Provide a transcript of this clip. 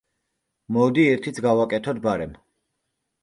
მოდი, ერთიც გავაკეთოთ, ბარემ.